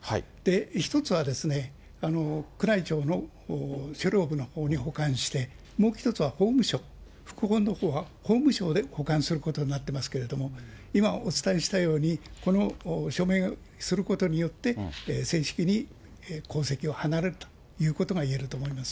１つは宮内庁の書陵部のほうに保管して、もう１つは法務省、副本のほうは法務省で保管することになってますけれども、今お伝えしたように、この署名することによって、正式に皇籍を離れるということがいえると思います。